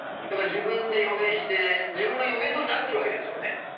だから自分で予言して自分が予言どおりなってるわけですよね。